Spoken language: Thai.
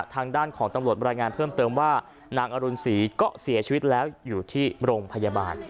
ทางด้านของตำรวจบรรยายงานเพิ่มเติมว่านางอรุณศรีก็เสียชีวิตแล้วอยู่ที่โรงพยาบาล